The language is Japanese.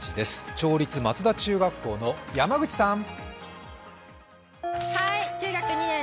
町立松田中学校の山口さん。